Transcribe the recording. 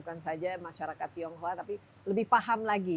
dengan memberikan pasar halo kami